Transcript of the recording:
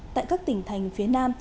tại các tỉnh thành phía nam